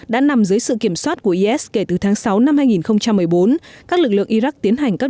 đã nằm dưới sự kiểm soát của is kể từ tháng sáu năm hai nghìn một mươi bốn các lực lượng iraq tiến hành các